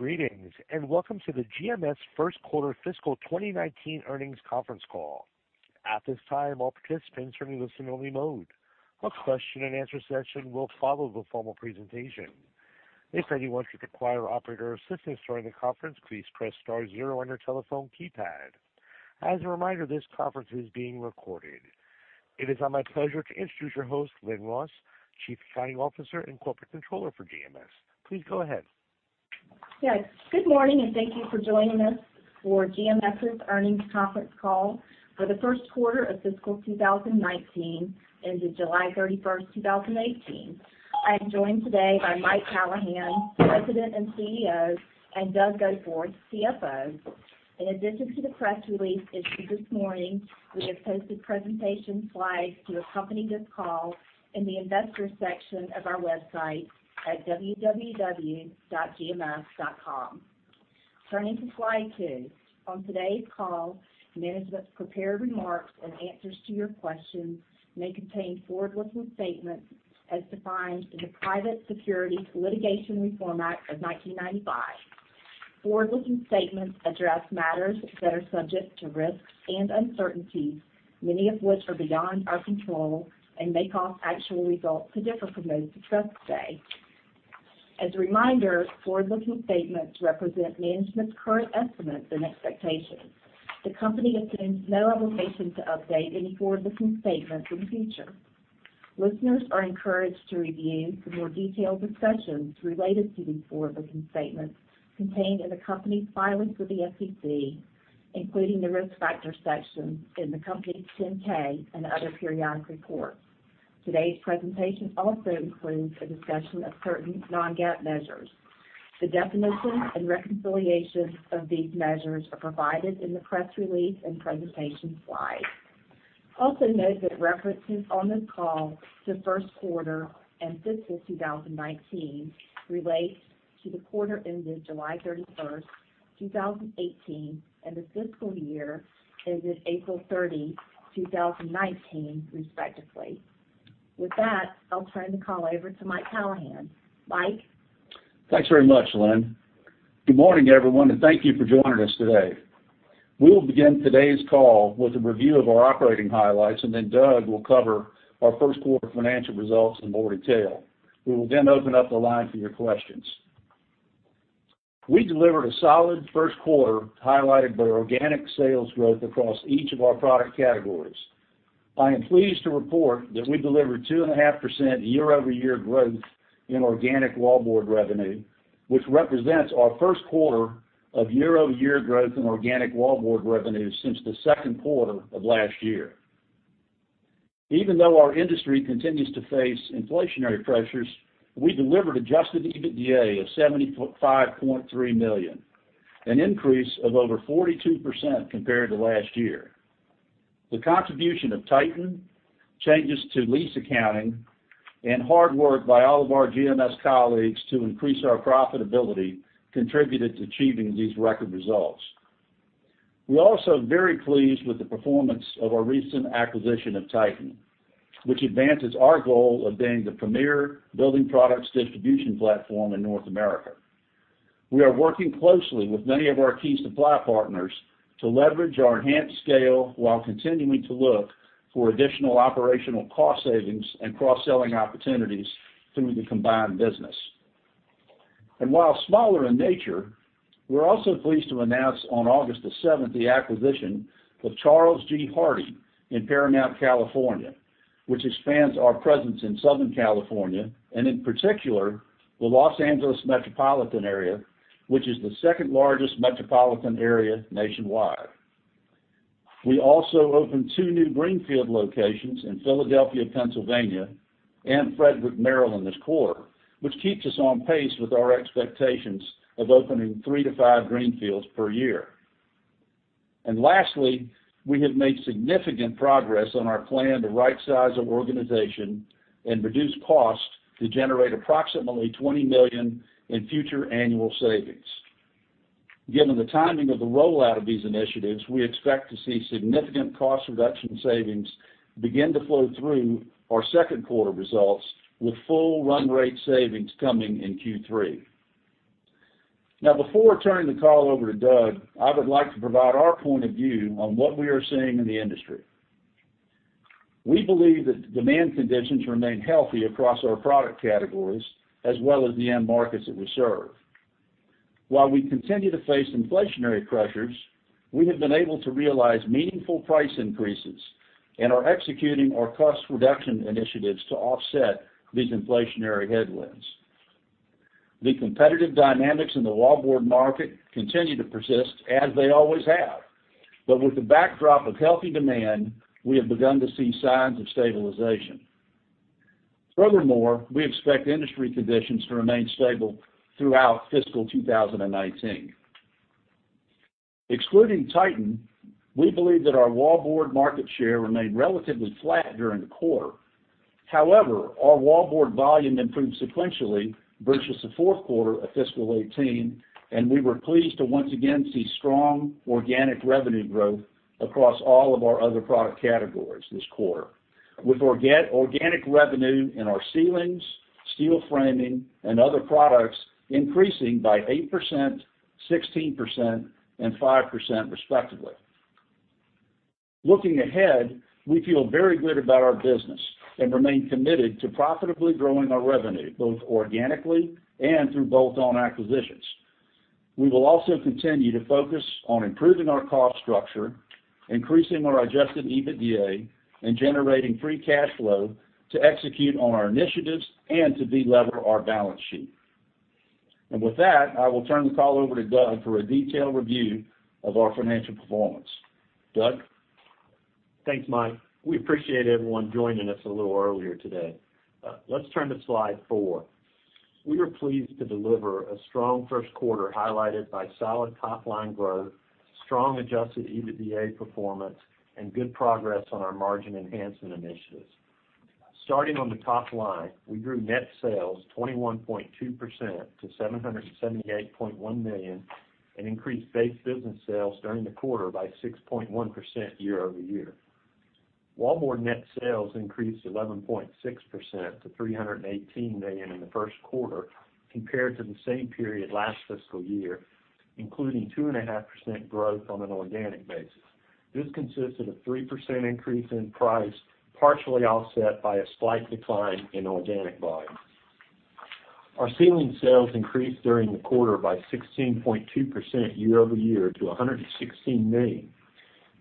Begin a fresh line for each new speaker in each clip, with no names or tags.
Greetings, and welcome to the GMS first quarter fiscal 2019 earnings conference call. At this time, all participants are in listen only mode. A question and answer session will follow the formal presentation. If anyone should require operator assistance during the conference, please press star zero on your telephone keypad. As a reminder, this conference is being recorded. It is now my pleasure to introduce your host, Leslie Moss, Chief Accounting Officer and Corporate Controller for GMS. Please go ahead.
Good morning, and thank you for joining us for GMS's earnings conference call for the first quarter of fiscal 2019 ended July 31, 2018. I am joined today by Mike Callahan, President and CEO, and. In addition to the press release issued this morning, we have posted presentation slides to accompany this call in the Investors section of our website at www.gms.com. Turning to slide two. On today's call, management's prepared remarks and answers to your questions may contain forward-looking statements as defined in the Private Securities Litigation Reform Act of 1995. Forward-looking statements address matters that are subject to risks and uncertainties, many of which are beyond our control and may cause actual results to differ from those discussed today. As a reminder, forward-looking statements represent management's current estimates and expectations. The company assumes no obligation to update any forward-looking statements in the future. Listeners are encouraged to review the more detailed discussions related to these forward-looking statements contained in the company's filings with the SEC, including the Risk Factors section in the company's 10-K and other periodic reports. Today's presentation also includes a discussion of certain non-GAAP measures. The definitions and reconciliations of these measures are provided in the press release and presentation slides. Also note that references on this call to first quarter and fiscal 2019 relate to the quarter ended July 31, 2018, and the fiscal year ended April 30, 2019, respectively. With that, I will turn the call over to Mike Callahan. Mike?
Thanks very much, Leslie. Good morning, everyone, and thank you for joining us today. We will begin today's call with a review of our operating highlights. Doug will then cover our first quarter financial results in more detail. We will then open up the line for your questions. We delivered a solid first quarter highlighted by organic sales growth across each of our product categories. I am pleased to report that we delivered 2.5% year-over-year growth in organic wallboard revenue, which represents our first quarter of year-over-year growth in organic wallboard revenue since the second quarter of last year. Even though our industry continues to face inflationary pressures, we delivered adjusted EBITDA of $75.3 million, an increase of over 42% compared to last year. The contribution of Titan, changes to lease accounting, and hard work by all of our GMS colleagues to increase our profitability contributed to achieving these record results. We are also very pleased with the performance of our recent acquisition of Titan, which advances our goal of being the premier building products distribution platform in North America. We are working closely with many of our key supply partners to leverage our enhanced scale while continuing to look for additional operational cost savings and cross-selling opportunities through the combined business. While smaller in nature, we are also pleased to announce on August 7th, the acquisition of Charles G. Hardy in Paramount, California, which expands our presence in Southern California, and in particular, the Los Angeles metropolitan area, which is the second largest metropolitan area nationwide. We also opened two new greenfield locations in Philadelphia, Pennsylvania and Frederick, Maryland this quarter, which keeps us on pace with our expectations of opening three to five greenfields per year. Lastly, we have made significant progress on our plan to right-size our organization and reduce costs to generate approximately $20 million in future annual savings. Given the timing of the rollout of these initiatives, we expect to see significant cost reduction savings begin to flow through our second quarter results with full run rate savings coming in Q3. Before turning the call over to Doug, I would like to provide our point of view on what we are seeing in the industry. We believe that demand conditions remain healthy across our product categories as well as the end markets that we serve. While we continue to face inflationary pressures, we have been able to realize meaningful price increases and are executing our cost reduction initiatives to offset these inflationary headwinds. The competitive dynamics in the wallboard market continue to persist as they always have. With the backdrop of healthy demand, we have begun to see signs of stabilization. Furthermore, we expect industry conditions to remain stable throughout fiscal 2019. Excluding Titan, we believe that our wallboard market share remained relatively flat during the quarter. However, our wallboard volume improved sequentially versus the fourth quarter of fiscal 2018, and we were pleased to once again see strong organic revenue growth across all of our other product categories this quarter with organic revenue in our ceilings, steel framing, and other products increasing by 8%, 16% and 5% respectively. Looking ahead, we feel very good about our business, and remain committed to profitably growing our revenue, both organically and through bolt-on acquisitions. We will also continue to focus on improving our cost structure, increasing our adjusted EBITDA, and generating free cash flow to execute on our initiatives and to de-lever our balance sheet. With that, I will turn the call over to Doug for a detailed review of our financial performance. Doug?
Thanks, Mike. We appreciate everyone joining us a little earlier today. Let's turn to slide four. We are pleased to deliver a strong first quarter highlighted by solid top-line growth, strong adjusted EBITDA performance, and good progress on our margin enhancement initiatives. Starting on the top line, we grew net sales 21.2% to $778.1 million, and increased base business sales during the quarter by 6.1% year-over-year. Wallboard net sales increased 11.6% to $318 million in the first quarter compared to the same period last fiscal year, including 2.5% growth on an organic basis. This consisted of 3% increase in price, partially offset by a slight decline in organic volume. Our ceiling sales increased during the quarter by 16.2% year-over-year to $116 million.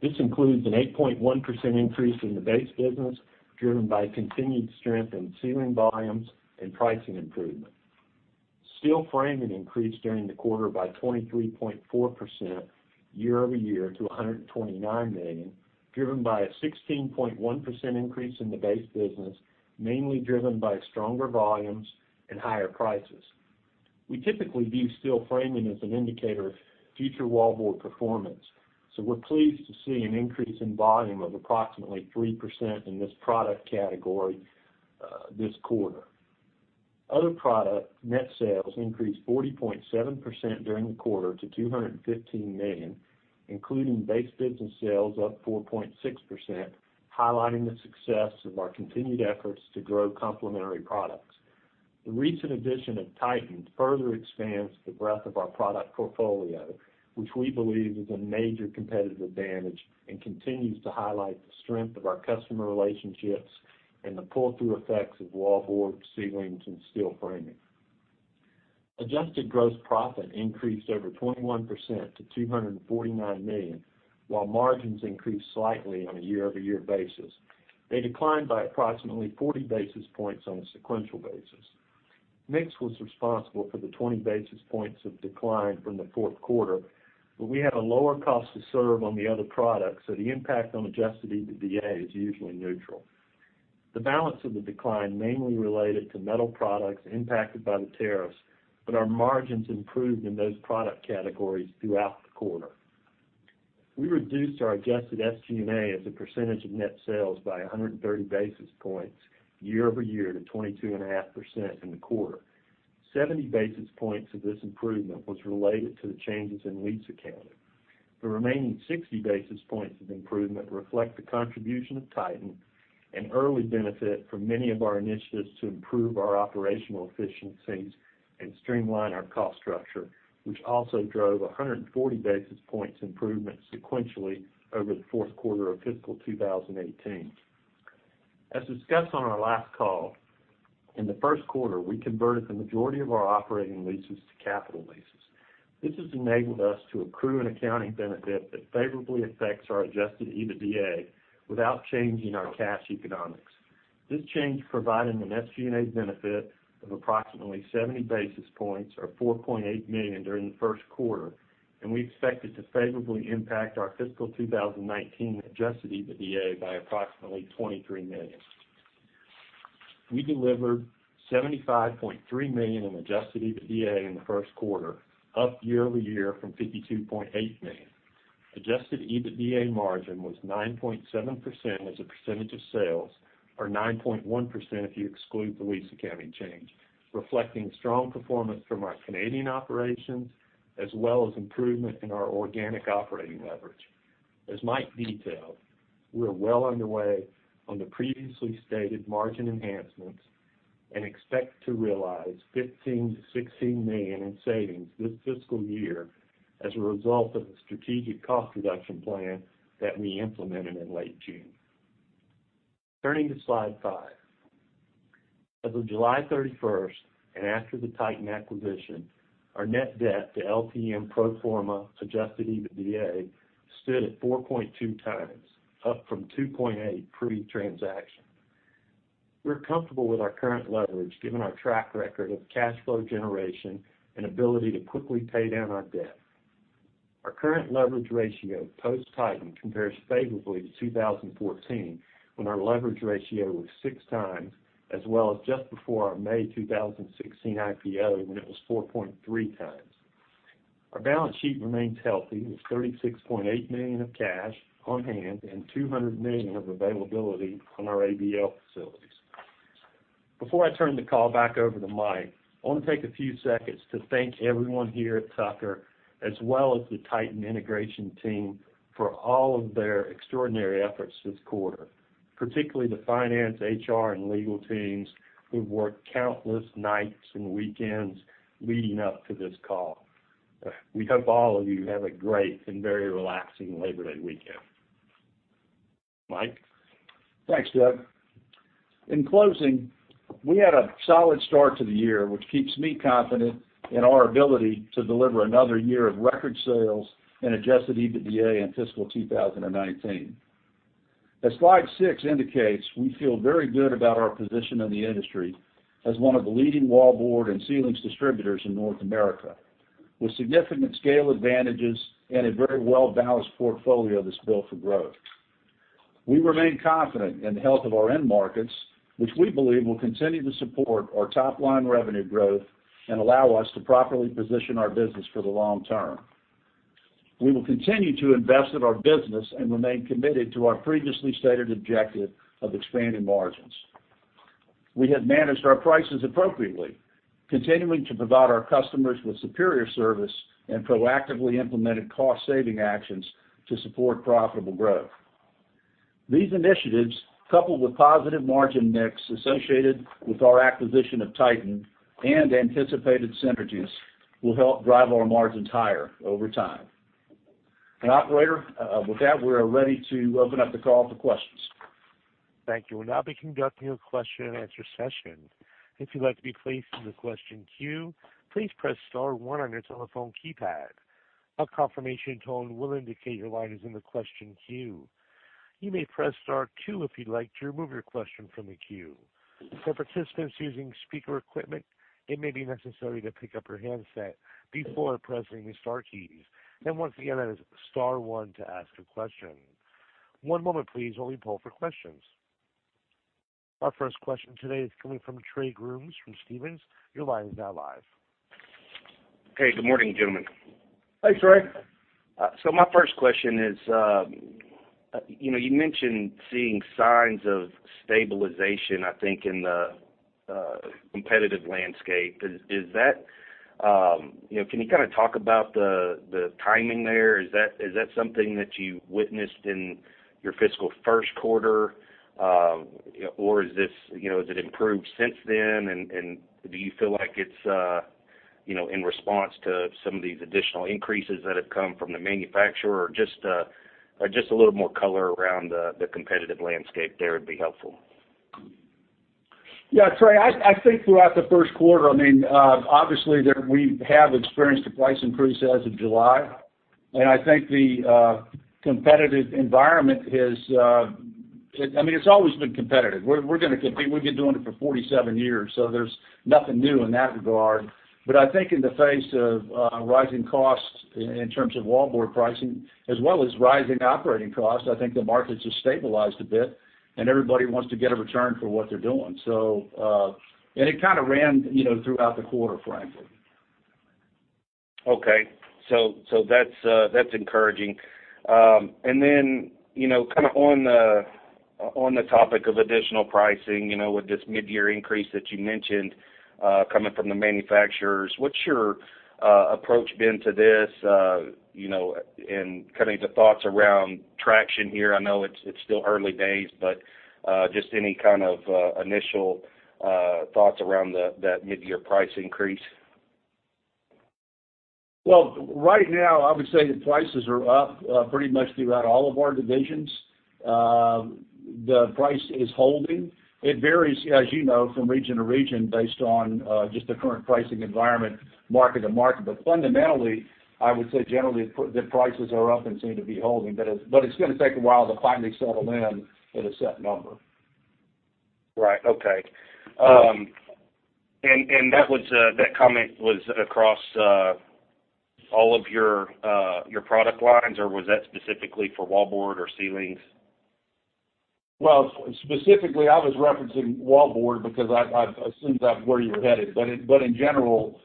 This includes an 8.1% increase in the base business, driven by continued strength in ceiling volumes and pricing improvement. Steel framing increased during the quarter by 23.4% year-over-year to $129 million, driven by a 16.1% increase in the base business, mainly driven by stronger volumes and higher prices. We typically view Steel framing as an indicator of future Wallboard performance, so we're pleased to see an increase in volume of approximately 3% in this product category this quarter. Other product net sales increased 40.7% during the quarter to $215 million, including base business sales up 4.6%, highlighting the success of our continued efforts to grow complementary products. The recent addition of Titan further expands the breadth of our product portfolio, which we believe is a major competitive advantage, and continues to highlight the strength of our customer relationships and the pull-through effects of Wallboard, ceilings, and Steel framing. Adjusted gross profit increased over 21% to $249 million, while margins increased slightly on a year-over-year basis. They declined by approximately 40 basis points on a sequential basis. Mix was responsible for the 20 basis points of decline from the fourth quarter, but we have a lower cost to serve on the other products, so the impact on adjusted EBITDA is usually neutral. The balance of the decline mainly related to metal products impacted by the tariffs, but our margins improved in those product categories throughout the quarter. We reduced our adjusted SG&A as a percentage of net sales by 130 basis points year-over-year to 22.5% in the quarter. 70 basis points of this improvement was related to the changes in lease accounting. The remaining 60 basis points of improvement reflect the contribution of Titan and early benefit from many of our initiatives to improve our operational efficiencies and streamline our cost structure, which also drove 140 basis points improvement sequentially over the fourth quarter of fiscal 2018. As discussed on our last call, in the first quarter, we converted the majority of our operating leases to capital leases. This has enabled us to accrue an accounting benefit that favorably affects our adjusted EBITDA without changing our cash economics. This change provided an SG&A benefit of approximately 70 basis points or $4.8 million during the first quarter, and we expect it to favorably impact our fiscal 2019 adjusted EBITDA by approximately $23 million. We delivered $75.3 million in adjusted EBITDA in the first quarter, up year-over-year from $52.8 million. Adjusted EBITDA margin was 9.7% as a percentage of sales, or 9.1% if you exclude the lease accounting change, reflecting strong performance from our Canadian operations, as well as improvement in our organic operating leverage. As Mike detailed, we are well underway on the previously stated margin enhancements, and expect to realize $15 million-$16 million in savings this fiscal year as a result of the strategic cost reduction plan that we implemented in late June. Turning to slide five. As of July 31st, and after the Titan acquisition, our net debt to LTM pro forma adjusted EBITDA stood at 4.2 times, up from 2.8 pre-transaction. We are comfortable with our current leverage given our track record of cash flow generation and ability to quickly pay down our debt. Our current leverage ratio post Titan compares favorably to 2014, when our leverage ratio was six times, as well as just before our May 2016 IPO, when it was 4.3 times. Our balance sheet remains healthy with $36.8 million of cash on hand and $200 million of availability on our ABL facilities. Before I turn the call back over to Mike, I want to take a few seconds to thank everyone here at Tucker, as well as the Titan integration team, for all of their extraordinary efforts this quarter, particularly the finance, HR, and legal teams who have worked countless nights and weekends leading up to this call. We hope all of you have a great and very relaxing Labor Day weekend. Mike?
Thanks, Doug. In closing, we had a solid start to the year, which keeps me confident in our ability to deliver another year of record sales and adjusted EBITDA in fiscal 2019. As slide six indicates, we feel very good about our position in the industry as one of the leading wallboard and ceilings distributors in North America, with significant scale advantages and a very well-balanced portfolio that is built for growth. We remain confident in the health of our end markets, which we believe will continue to support our top-line revenue growth and allow us to properly position our business for the long term. We will continue to invest in our business and remain committed to our previously stated objective of expanding margins. We have managed our prices appropriately, continuing to provide our customers with superior service and proactively implemented cost-saving actions to support profitable growth. These initiatives, coupled with positive margin mix associated with our acquisition of Titan and anticipated synergies, will help drive our margins higher over time. Operator, with that, we are ready to open up the call for questions.
Thank you. We'll now be conducting a question and answer session. If you'd like to be placed in the question queue, please press star one on your telephone keypad. A confirmation tone will indicate your line is in the question queue. You may press star two if you'd like to remove your question from the queue. For participants using speaker equipment, it may be necessary to pick up your handset before pressing the star keys. Once again, that is star one to ask a question. One moment please while we poll for questions. Our first question today is coming from Trey Grooms from Stephens. Your line is now live.
Hey, good morning, gentlemen.
Thanks, Trey.
My first question is, you mentioned seeing signs of stabilization, I think, in the competitive landscape. Can you talk about the timing there? Is that something that you witnessed in your fiscal first quarter? Has it improved since then? Do you feel like it's in response to some of these additional increases that have come from the manufacturer? Just a little more color around the competitive landscape there would be helpful.
Yeah, Trey, I think throughout the first quarter, obviously, we have experienced a price increase as of July. It's always been competitive. We've been doing it for 47 years, so there's nothing new in that regard. I think in the face of rising costs in terms of wallboard pricing, as well as rising operating costs, I think the markets have stabilized a bit, and everybody wants to get a return for what they're doing. It kind of ran throughout the quarter, frankly.
Okay. That's encouraging. Then on the topic of additional pricing, with this mid-year increase that you mentioned coming from the manufacturers, what's your approach been to this? Kind of any thoughts around traction here? I know it's still early days, but just any kind of initial thoughts around that mid-year price increase?
Well, right now, I would say that prices are up pretty much throughout all of our divisions. The price is holding. It varies, as you know, from region to region based on just the current pricing environment market to market. Fundamentally, I would say, generally, the prices are up and seem to be holding. It's going to take a while to finally settle in at a set number.
Right. Okay. That comment was across all of your product lines, or was that specifically for wallboard or ceilings?
Specifically, I was referencing wallboard because I assumed that's where you were headed. In general,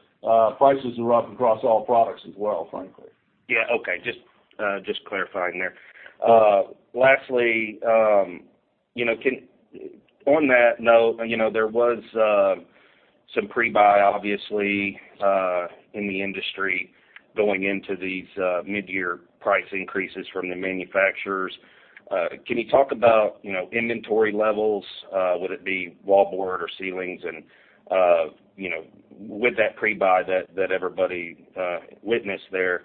prices are up across all products as well, frankly.
Yeah. Okay. Just clarifying there. Lastly, on that note, there was some pre-buy, obviously, in the industry going into these mid-year price increases from the manufacturers. Can you talk about inventory levels, whether it be wallboard or ceilings, and with that pre-buy that everybody witnessed there,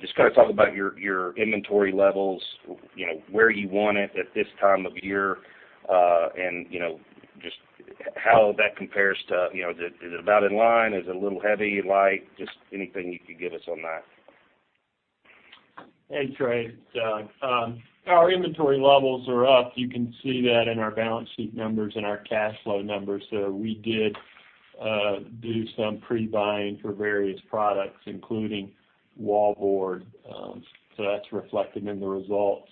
just kind of talk about your inventory levels, where you want it at this time of year, and just how that compares to, is it about in line? Is it a little heavy, light? Just anything you could give us on that.
Hey, Trey, it's Doug. Our inventory levels are up. You can see that in our balance sheet numbers and our cash flow numbers. We did do some pre-buying for various products, including wallboard. That's reflected in the results.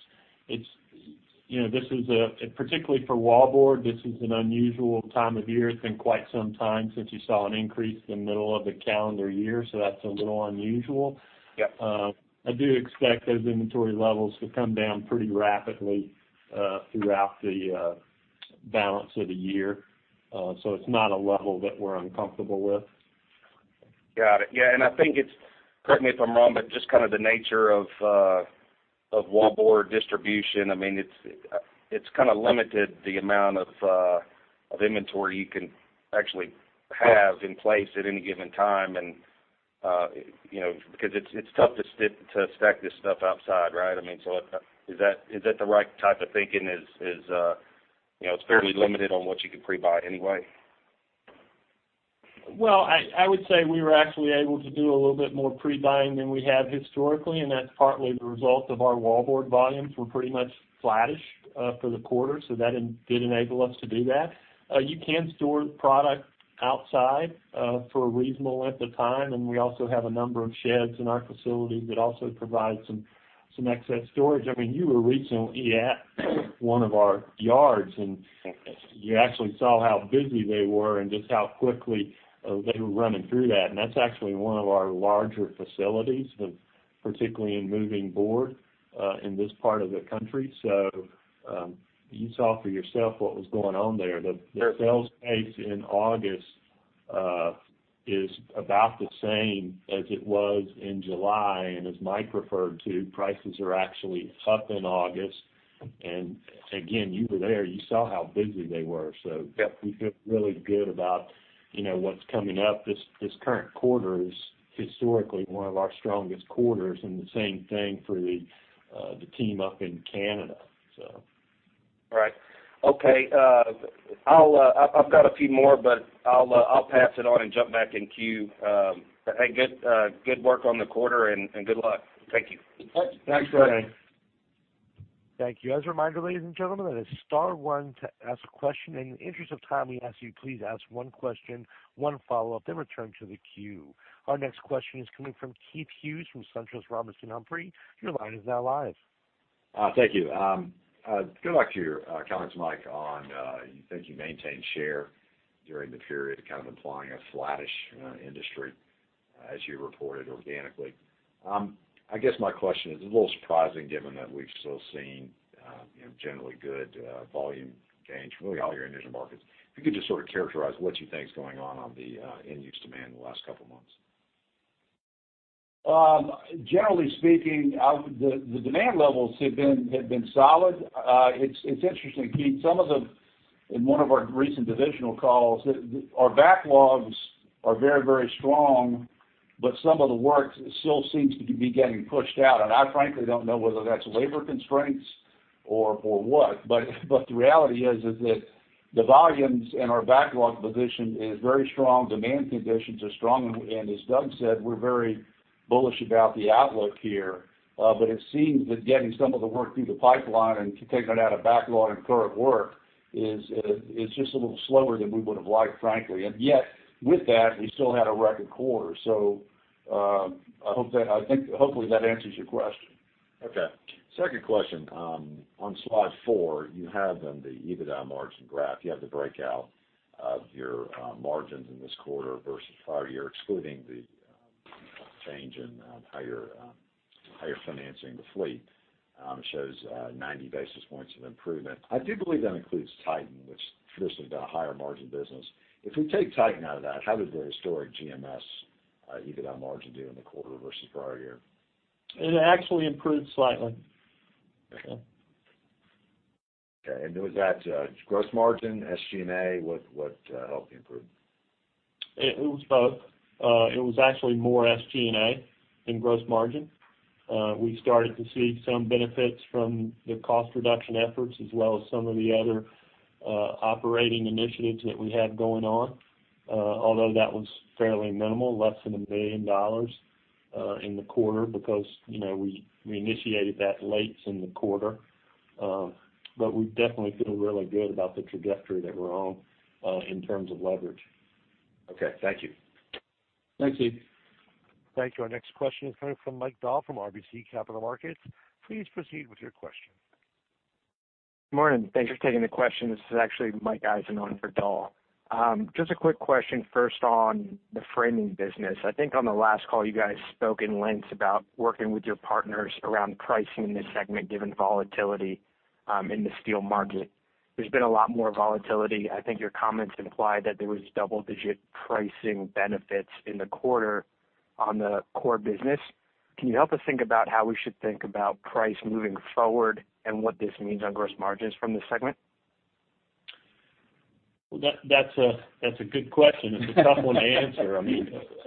Particularly for wallboard, this is an unusual time of year. It's been quite some time since you saw an increase in the middle of the calendar year, that's a little unusual.
Yep.
I do expect those inventory levels to come down pretty rapidly throughout the balance of the year. It's not a level that we're uncomfortable with.
Got it. Yeah, I think it's, correct me if I'm wrong, but just kind of the nature of wallboard distribution. It's kind of limited the amount of inventory you can actually have in place at any given time because it's tough to stack this stuff outside, right? Is that the right type of thinking?
Absolutely
It's fairly limited on what you can pre-buy anyway?
Well, I would say we were actually able to do a little bit more pre-buying than we have historically, and that's partly the result of our wallboard volumes were pretty much flattish for the quarter, so that did enable us to do that. You can store product outside for a reasonable length of time, and we also have a number of sheds in our facility that also provide some excess storage. You were recently at one of our yards, and you actually saw how busy they were and just how quickly they were running through that, and that's actually one of our larger facilities, particularly in moving board in this part of the country. You saw for yourself what was going on there. The sales pace in August is about the same as it was in July, and as Mike referred to, prices are actually up in August. Again, you were there, you saw how busy they were.
Yep.
We feel really good about what's coming up. This current quarter is historically one of our strongest quarters, and the same thing for the team up in Canada.
Right. Okay. I've got a few more, but I'll pass it on and jump back in queue. Hey, good work on the quarter and good luck. Thank you.
Thanks.
Thanks.
Thank you. As a reminder, ladies and gentlemen, it is star one to ask a question. In the interest of time, we ask you please ask one question, one follow-up, then return to the queue. Our next question is coming from Keith Hughes from SunTrust Robinson Humphrey. Your line is now live.
Thank you. Good luck to your comments, Mike, on you think you maintained share during the period, kind of implying a flattish industry as you reported organically. I guess my question is a little surprising given that we've still seen generally good volume gains from really all your end markets. If you could just sort of characterize what you think is going on on the end use demand in the last couple of months.
Generally speaking, the demand levels have been solid. It's interesting, Keith. In one of our recent divisional calls, our backlogs are very strong, but some of the work still seems to be getting pushed out, and I frankly don't know whether that's labor constraints or what. The reality is that the volumes and our backlog position is very strong. Demand conditions are strong. As Doug said, we're very bullish about the outlook here. It seems that getting some of the work through the pipeline and taking it out of backlog and current work is just a little slower than we would have liked, frankly. Yet with that, we still had a record quarter. Hopefully that answers your question.
Okay. Second question. On slide four, you have on the EBITDA margin graph, you have the breakout of your margins in this quarter versus prior year, excluding the change in how you're financing the fleet. It shows 90 basis points of improvement. I do believe that includes Titan, which traditionally has been a higher margin business. If we take Titan out of that, how did the historic GMS EBITDA margin do in the quarter versus prior year?
It actually improved slightly.
Okay. Was that gross margin, SG&A? What helped you improve?
It was both. It was actually more SG&A than gross margin. We started to see some benefits from the cost reduction efforts as well as some of the other operating initiatives that we had going on. Although that was fairly minimal, less than $1 billion in the quarter because we initiated that late in the quarter. We definitely feel really good about the trajectory that we're on in terms of leverage.
Okay. Thank you.
Thank you.
Thank you. Our next question is coming from Mike Dahl from RBC Capital Markets. Please proceed with your question.
Good morning. Thanks for taking the question. This is actually Michael Eisen on for Dahl. Just a quick question first on the framing business. I think on the last call, you guys spoke in lengths about working with your partners around pricing in this segment given volatility in the steel market. There's been a lot more volatility. I think your comments imply that there was double-digit pricing benefits in the quarter on the core business. Can you help us think about how we should think about price moving forward and what this means on gross margins from this segment?
That's a good question. It's a tough one to answer.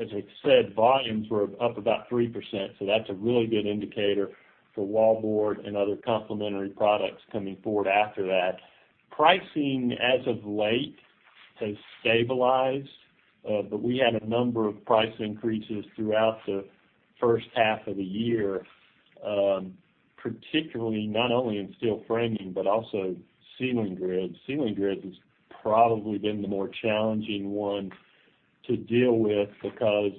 As I said, volumes were up about 3%, so that's a really good indicator for wallboard and other complementary products coming forward after that. Pricing as of late has stabilized, but we had a number of price increases throughout the first half of the year, particularly not only in steel framing, but also ceiling grids. Ceiling grids has probably been the more challenging one to deal with because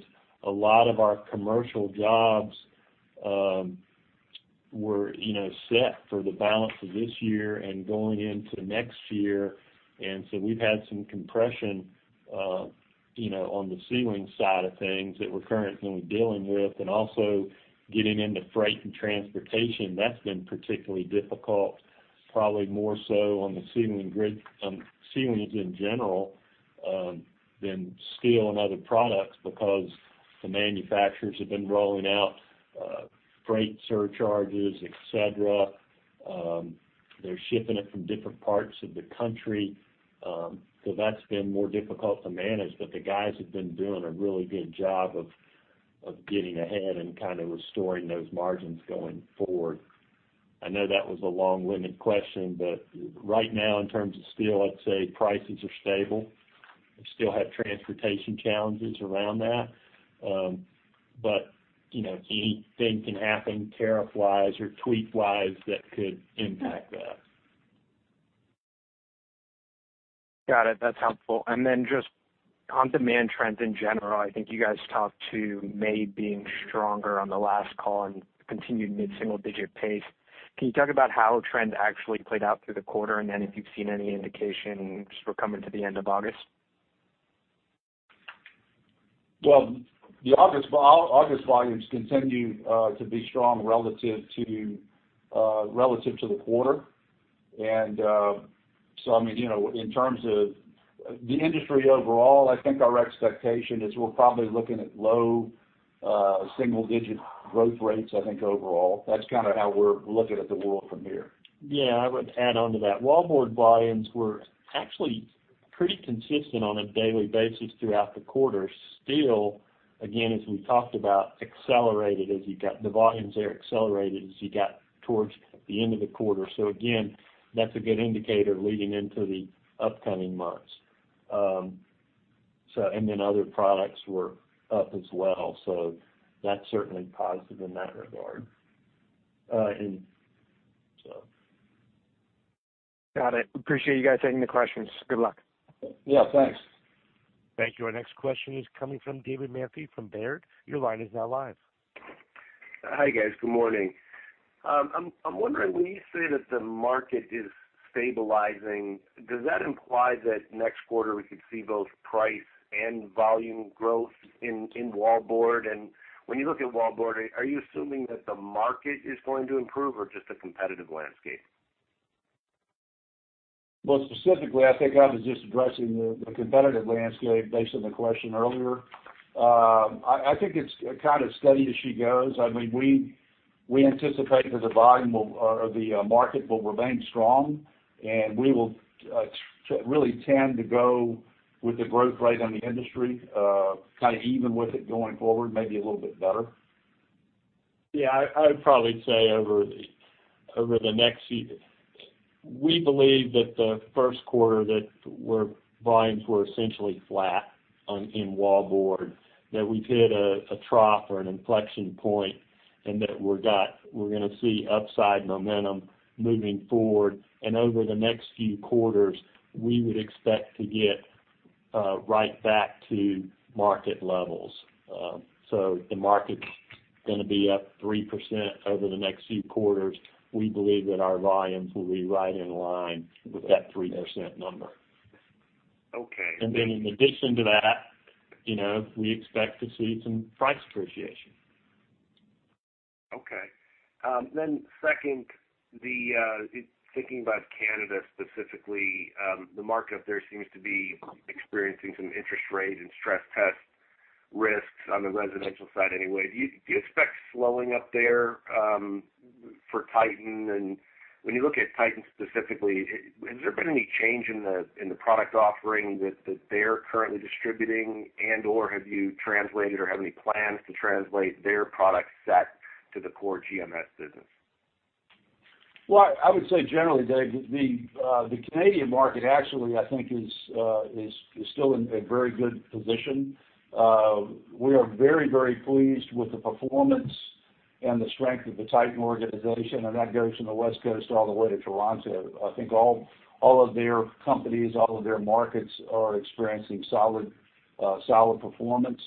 a lot of our commercial jobs were set for the balance of this year and going into next year. We've had some compression on the ceiling side of things that we're currently dealing with. Also getting into freight and transportation, that's been particularly difficult, probably more so on the ceiling grid, ceilings in general, than steel and other products because the manufacturers have been rolling out freight surcharges, et cetera. They're shipping it from different parts of the country. That's been more difficult to manage, but the guys have been doing a really good job of getting ahead and restoring those margins going forward. I know that was a long-winded question, right now, in terms of steel, I'd say prices are stable. We still have transportation challenges around that. Anything can happen tariff-wise or tweet-wise that could impact that.
Got it. That's helpful. Just on demand trends in general, I think you guys talked to May being stronger on the last call and continued mid-single digit pace. Can you talk about how trend actually played out through the quarter, if you've seen any indications for coming to the end of August?
Well, the August volumes continue to be strong relative to the quarter. In terms of the industry overall, I think our expectation is we're probably looking at low single-digit growth rates, I think overall. That's kind of how we're looking at the world from here.
Yeah, I would add onto that. Wallboard volumes were actually pretty consistent on a daily basis throughout the quarter. Steel, again, as we talked about, the volumes there accelerated as you got towards the end of the quarter. Again, that's a good indicator leading into the upcoming months. Other products were up as well, so that's certainly positive in that regard.
Got it. Appreciate you guys taking the questions. Good luck.
Yeah, thanks.
Thank you. Our next question is coming from David Manthey from Baird. Your line is now live.
Hi, guys. Good morning. I'm wondering, when you say that the market is stabilizing, does that imply that next quarter we could see both price and volume growth in wallboard? When you look at wallboard, are you assuming that the market is going to improve or just the competitive landscape?
Well, specifically, I think I was just addressing the competitive landscape based on the question earlier. I think it's kind of steady as she goes. We anticipate that the volume of the market will remain strong, we will really tend to go with the growth rate on the industry, kind of even with it going forward, maybe a little bit better.
Yeah, I would probably say over the next few. We believe that the first quarter that volumes were essentially flat in wallboard, that we've hit a trough or an inflection point, that we're going to see upside momentum moving forward. Over the next few quarters, we would expect to get right back to market levels. If the market's going to be up 3% over the next few quarters, we believe that our volumes will be right in line with that 3% number.
Okay.
In addition to that, we expect to see some price appreciation.
Okay. Second, thinking about Canada specifically, the market up there seems to be experiencing some interest rate and stress test risks on the residential side anyway. Do you expect slowing up there for Titan? When you look at Titan specifically, has there been any change in the product offering that they're currently distributing, and/or have you translated or have any plans to translate their product set to the core GMS business?
Well, I would say generally, Dave, the Canadian market actually, I think is still in a very good position. We are very, very pleased with the performance and the strength of the Titan organization, and that goes from the West Coast all the way to Toronto. I think all of their companies, all of their markets are experiencing solid performance.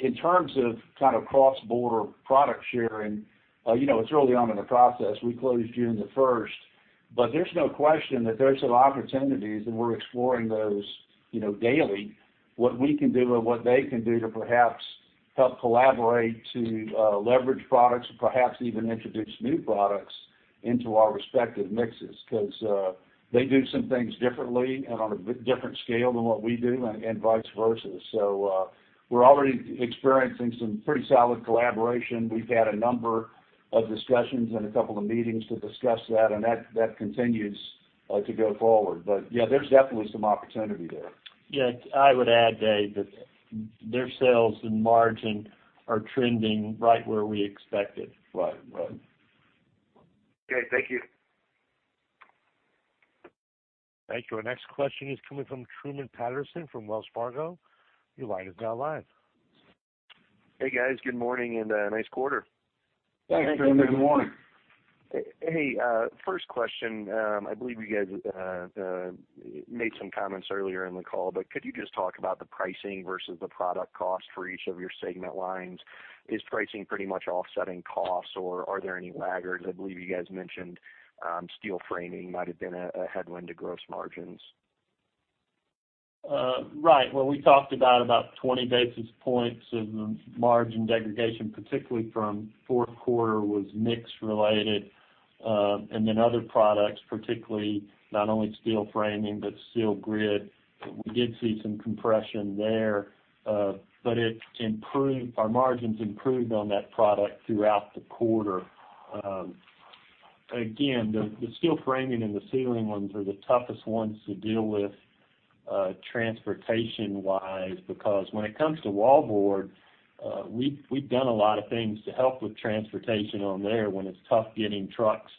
In terms of kind of cross-border product sharing, it's early on in the process. We closed June the 1st. There's no question that there's some opportunities, and we're exploring those daily. What we can do and what they can do to perhaps help collaborate to leverage products or perhaps even introduce new products into our respective mixes because they do some things differently and on a different scale than what we do and vice versa. We're already experiencing some pretty solid collaboration. We've had a number of discussions and a couple of meetings to discuss that, and that continues to go forward. Yeah, there's definitely some opportunity there.
Yeah. I would add, Dave, that their sales and margin are trending right where we expected.
Right.
Okay. Thank you.
Thank you. Our next question is coming from Truman Patterson from Wells Fargo. Your line is now live.
Hey, guys. Good morning, and nice quarter.
Thanks, Truman. Good morning.
Thanks.
Hey, first question. I believe you guys made some comments earlier in the call, could you just talk about the pricing versus the product cost for each of your segment lines? Is pricing pretty much offsetting costs, or are there any laggards? I believe you guys mentioned steel framing might have been a headwind to gross margins.
Right. Well, we talked about 20 basis points of the margin degradation, particularly from fourth quarter was mix related. Other products, particularly not only steel framing, but steel grid, we did see some compression there. Our margins improved on that product throughout the quarter. Again, the steel framing and the ceiling ones are the toughest ones to deal with transportation-wise because when it comes to wallboard, we've done a lot of things to help with transportation on there when it's tough getting trucks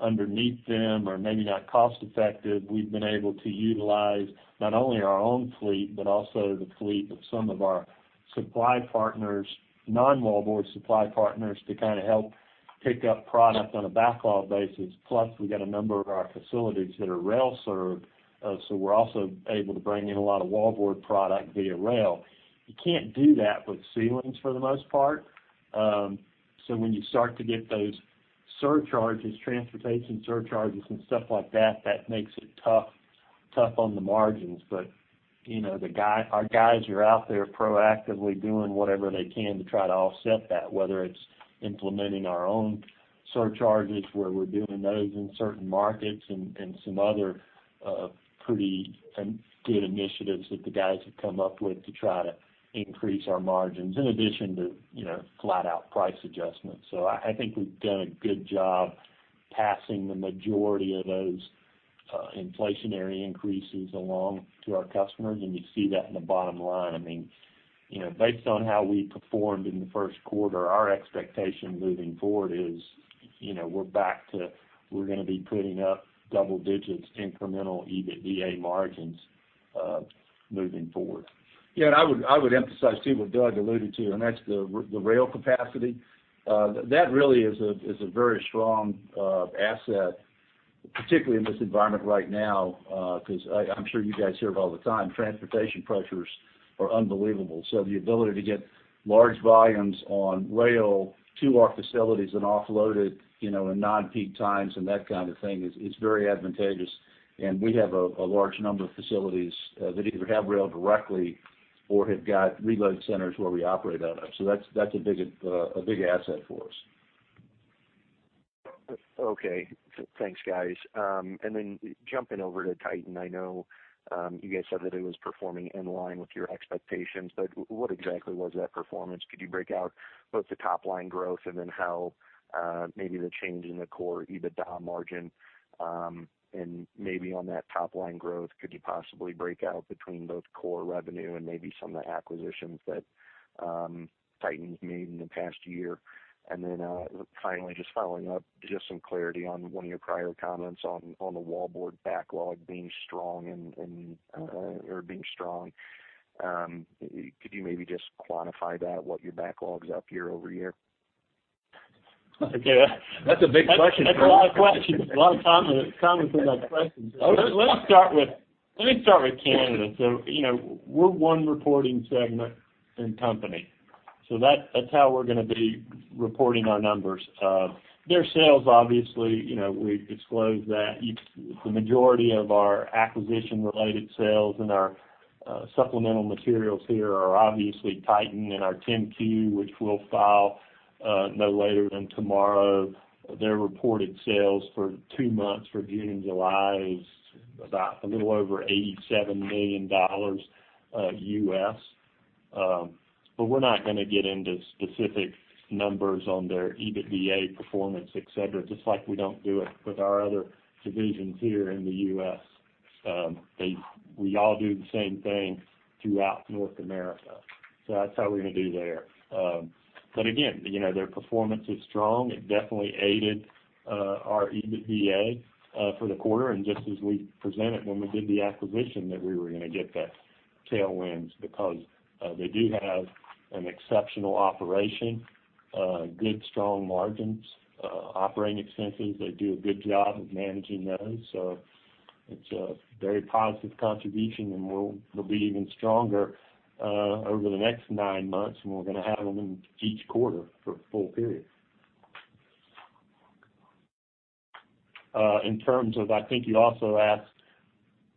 underneath them or maybe not cost effective. We've been able to utilize not only our own fleet but also the fleet of some of our supply partners, non-wallboard supply partners, to kind of help pick up product on a backlog basis. We've got a number of our facilities that are rail-served, we're also able to bring in a lot of wallboard product via rail. You can't do that with ceilings for the most part. When you start to get those surcharges, transportation surcharges and stuff like that makes it tough on the margins. Our guys are out there proactively doing whatever they can to try to offset that, whether it's implementing our own surcharges where we're doing those in certain markets and some other pretty good initiatives that the guys have come up with to try to increase our margins, in addition to flat out price adjustments. I think we've done a good job passing the majority of those inflationary increases along to our customers, and you see that in the bottom line. Based on how we performed in the first quarter, our expectation moving forward is we're going to be putting up double digits incremental EBITDA margins moving forward.
Yeah, I would emphasize too what Doug alluded to, that's the rail capacity. That really is a very strong asset, particularly in this environment right now because I'm sure you guys hear it all the time, transportation pressures are unbelievable. The ability to get large volumes on rail to our facilities and offload it in non-peak times and that kind of thing is very advantageous. We have a large number of facilities that either have rail directly or have got reload centers where we operate out of. That's a big asset for us.
Okay. Thanks, guys. Then jumping over to Titan, I know you guys said that it was performing in line with your expectations, what exactly was that performance? Could you break out both the top-line growth and then how maybe the change in the core EBITDA margin? Maybe on that top-line growth, could you possibly break out between both core revenue and maybe some of the acquisitions that Titan's made in the past year? Then finally, just following up, just some clarity on one of your prior comments on the wallboard backlog being strong. Could you maybe just quantify that, what your backlog's up year-over-year?
That's a big question.
That's a lot of questions. A lot of comments in that question. Let me start with Canada. We're one reporting segment and company. That's how we're going to be reporting our numbers. Their sales, obviously, we've disclosed that the majority of our acquisition-related sales and our supplemental materials here are obviously Titan in our 10-Q, which we'll file no later than tomorrow. Their reported sales for two months for June and July is about a little over $87 million U.S. We're not going to get into specific numbers on their EBITDA performance, et cetera, just like we don't do it with our other divisions here in the U.S. We all do the same thing throughout North America. That's how we're going to do there. Again, their performance is strong. It definitely aided our EBITDA for the quarter, just as we presented when we did the acquisition that we were going to get that tailwinds because they do have an exceptional operation, good strong margins. Operating expenses, they do a good job of managing those. It's a very positive contribution, and we'll be even stronger over the next nine months when we're going to have them in each quarter for a full period. In terms of, I think you also asked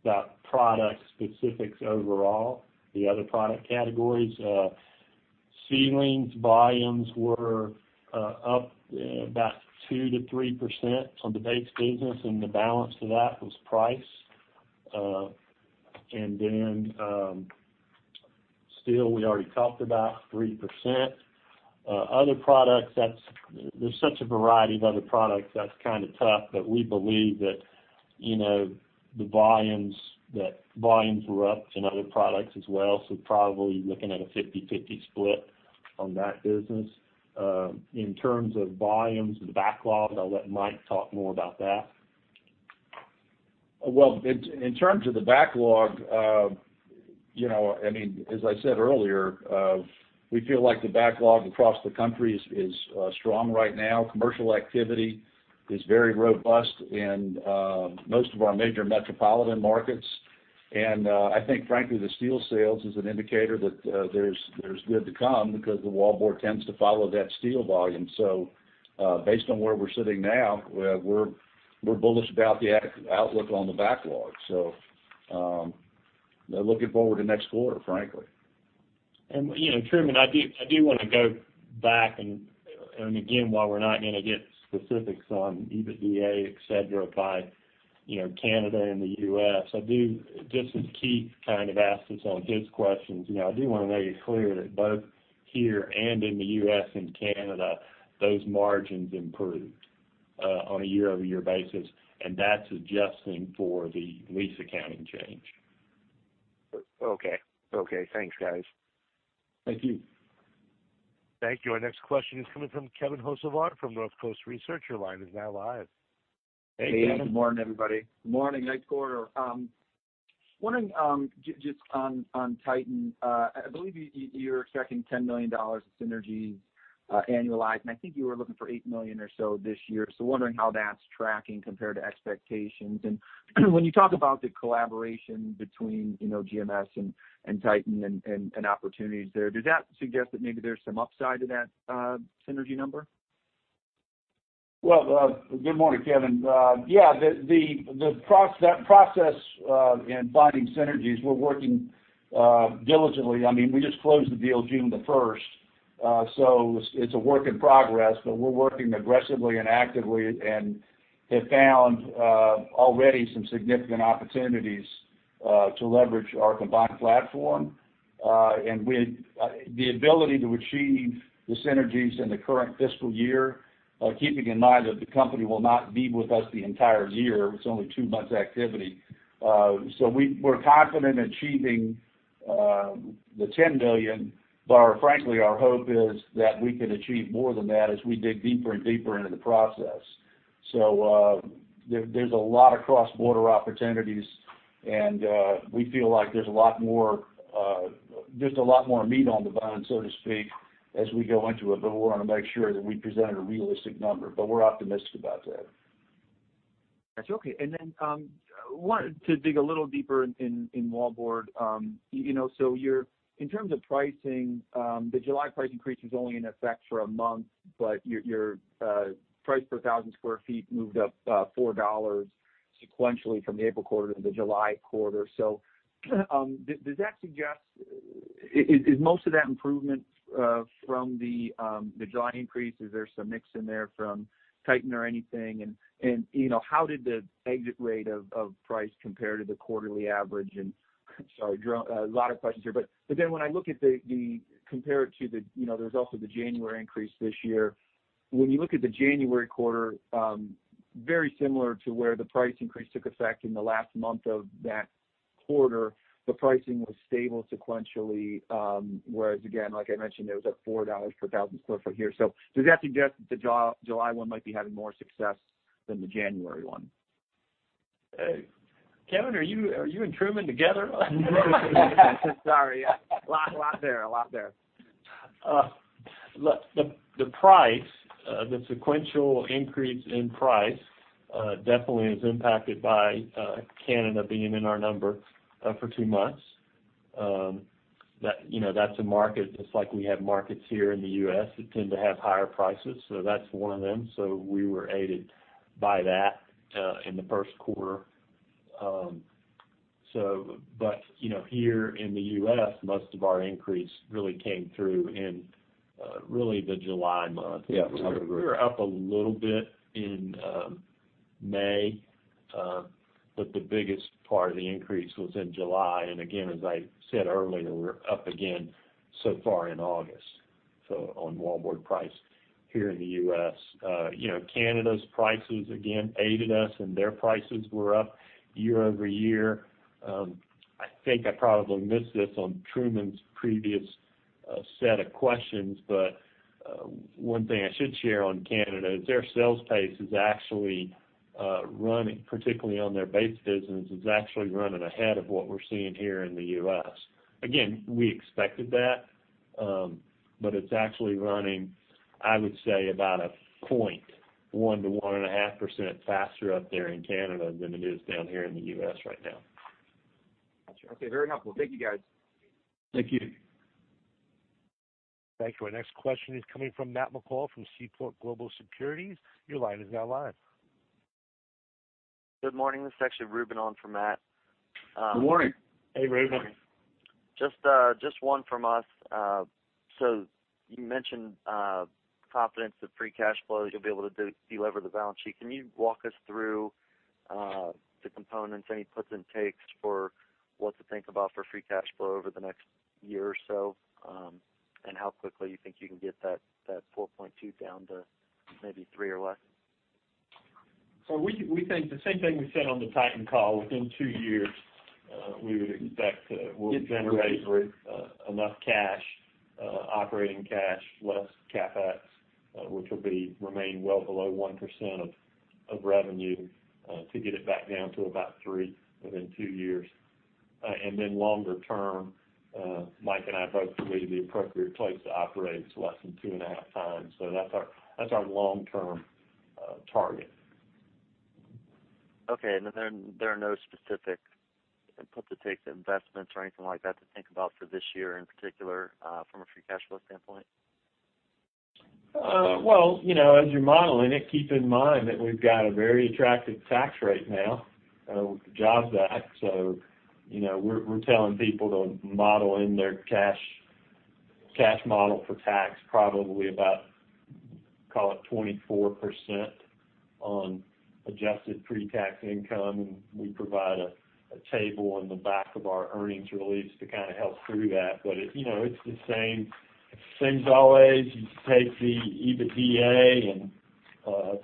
about product specifics overall, the other product categories. Ceilings volumes were up about 2%-3% on the base business, the balance of that was price. Then steel, we already talked about, 3%. Other products, there's such a variety of other products that's kind of tough, we believe that the volumes were up in other products as well. Probably looking at a 50/50 split on that business. In terms of volumes and backlog, I'll let Mike talk more about that.
Well, in terms of the backlog, as I said earlier, we feel like the backlog across the country is strong right now. Commercial activity is very robust in most of our major metropolitan markets. I think frankly, the steel sales is an indicator that there's good to come because the wallboard tends to follow that steel volume. Based on where we're sitting now, we're bullish about the outlook on the backlog. Looking forward to next quarter, frankly.
Truman, I do want to go back, again, while we're not going to get specifics on EBITDA, et cetera, by Canada and the U.S., just as Keith kind of asked this on his questions, I do want to make it clear that both here and in the U.S. and Canada, those margins improved on a year-over-year basis, that's adjusting for the lease accounting change.
Okay. Thanks, guys.
Thank you.
Thank you. Our next question is coming from Kevin Hocevar from Northcoast Research. Your line is now live.
Hey, Kevin.
Good morning, everybody. Morning, nice quarter. Wondering just on WSB Titan, I believe you're expecting $10 million of synergies annualized, I think you were looking for $8 million or so this year. Wondering how that's tracking compared to expectations. When you talk about the collaboration between GMS and WSB Titan and opportunities there, does that suggest that maybe there's some upside to that synergy number?
Well, good morning, Kevin. Yeah, that process in finding synergies, we're working diligently. We just closed the deal June the first. It's a work in progress, but we're working aggressively and actively and have found already some significant opportunities to leverage our combined platform. The ability to achieve the synergies in the current fiscal year, keeping in mind that the company will not be with us the entire year, it's only two months activity. We're confident achieving the $10 million, but frankly, our hope is that we can achieve more than that as we dig deeper and deeper into the process. There's a lot of cross-border opportunities, and we feel like there's a lot more meat on the bone, so to speak, as we go into it, but we want to make sure that we present a realistic number. We're optimistic about that.
That's okay. Wanted to dig a little deeper in Wallboard. In terms of pricing, the July price increase was only in effect for a month, but your price per 1,000 square feet moved up $4 sequentially from the April quarter to the July quarter. Does that suggest, is most of that improvement from the July increase? Is there some mix in there from WSB Titan or anything? How did the exit rate of price compare to the quarterly average? Sorry, a lot of questions here. When I compare it to the results of the January increase this year. When you look at the January quarter, very similar to where the price increase took effect in the last month of that quarter, the pricing was stable sequentially, whereas again, like I mentioned, it was up $4 per 1,000 square foot here. Does that suggest that the July one might be having more success than the January one?
Kevin, are you and Truman together?
Sorry. A lot there.
The price, the sequential increase in price, definitely is impacted by Canada being in our number for two months. That's a market, just like we have markets here in the U.S. that tend to have higher prices. That's one of them. We were aided by that in the first quarter. Here in the U.S., most of our increase really came through in really the July month.
Yeah.
We were up a little bit in May, but the biggest part of the increase was in July. Again, as I said earlier, we're up again so far in August on wallboard price here in the U.S. Canada's prices, again, aided us, and their prices were up year-over-year. One thing I should share on Canada is their sales pace is actually running, particularly on their base business, is actually running ahead of what we're seeing here in the U.S. Again, we expected that, but it's actually running, I would say about a point, 1% to 1.5% faster up there in Canada than it is down here in the U.S. right now.
Got you. Okay, very helpful. Thank you, guys.
Thank you.
Thank you. Our next question is coming from Matt McCall from Seaport Global Securities. Your line is now live.
Good morning. This is actually Reuben on for Matt.
Good morning.
Hey, Reuben.
Just one from us. You mentioned confidence of free cash flow, you'll be able to delever the balance sheet. Can you walk us through the components, any puts and takes for what to think about for free cash flow over the next year or so? How quickly you think you can get that 4.2 down to maybe three or less?
We think the same thing we said on the Titan call. Within two years, we would expect we'll generate enough cash, operating cash, less CapEx, which will remain well below 1% of revenue, to get it back down to about three within two years. Longer term, Mike and I both believe the appropriate place to operate is less than two and a half times. That's our long-term target.
Okay. There are no specific input to take the investments or anything like that to think about for this year in particular, from a free cash flow standpoint?
Well, as you're modeling it, keep in mind that we've got a very attractive tax rate now with the Jobs Act. We're telling people to model in their cash model for tax probably about, call it, 24% on adjusted pre-tax income, and we provide a table on the back of our earnings release to kind of help through that. It's the same as always. You take the EBITDA and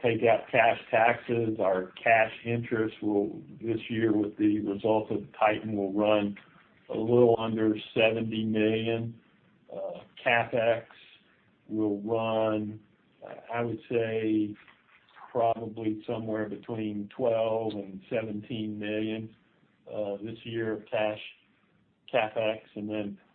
take out cash taxes. Our cash interest will, this year, with the result of Titan, will run a little under $70 million. CapEx will run, I would say, probably somewhere between $12 million and $17 million this year of cash CapEx.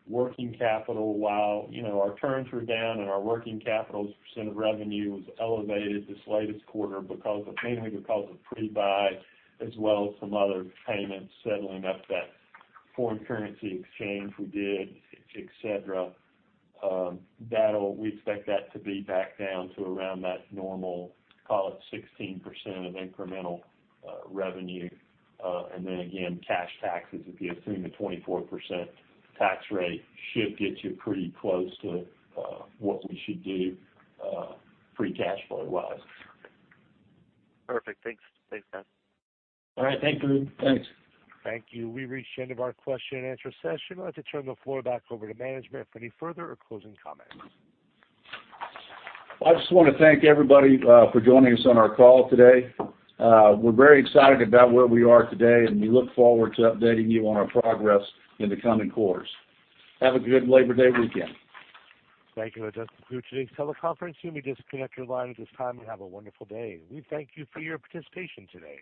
Working capital, while our turns were down and our working capital's % of revenue was elevated this latest quarter mainly because of pre-buy as well as some other payments settling up that foreign currency exchange we did, et cetera. We expect that to be back down to around that normal, call it, 16% of incremental revenue. Again, cash taxes, if you assume a 24% tax rate, should get you pretty close to what we should do free cash flow-wise.
Perfect. Thanks, Reuben.
All right. Thank you.
Thank you. We've reached the end of our question and answer session. I'd like to turn the floor back over to management for any further or closing comments.
I just want to thank everybody for joining us on our call today. We're very excited about where we are today, and we look forward to updating you on our progress in the coming quarters. Have a good Labor Day weekend.
Thank you. That does conclude today's teleconference. You may disconnect your line at this time, and have a wonderful day. We thank you for your participation today.